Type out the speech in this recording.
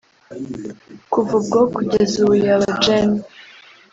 Kuva ubwo kugeza ubu yaba Gen